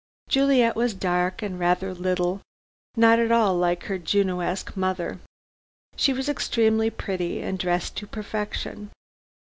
Juliet was dark and rather little, not at all like her Junoesque mother. She was extremely pretty and dressed to perfection.